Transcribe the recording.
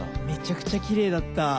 めちゃくちゃきれいだった。